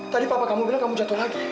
tadi papa kamu bilang kamu jatuh lagi